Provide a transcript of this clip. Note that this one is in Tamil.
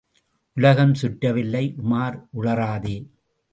உலகம் சுற்றவில்லை உமார், உளறாதே!